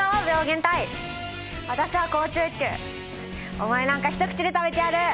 お前なんか一口で食べてやる！